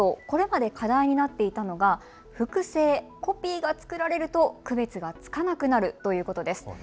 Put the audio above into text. これまで課題になっていたのが複製、コピーが作られると区別がつかなくなるということです。